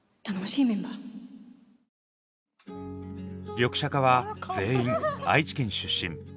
リョクシャカは全員愛知県出身。